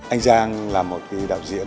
anh giang là một đạo diễn